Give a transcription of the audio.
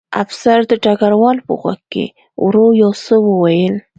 افسر د ډګروال په غوږ کې ورو یو څه وویل